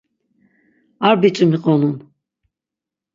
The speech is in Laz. Ar biç̌i miqonun.